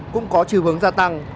cũng có chiều hướng gia tăng